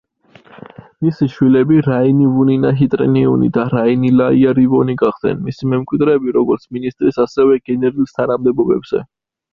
მისი შვილები რაინივუნინაჰიტრინიუნი და რაინილაიარივონი გახდნენ მისი მემკვიდრეები როგორც მინისტრის ასევე გენერლის თანამდებობებზე.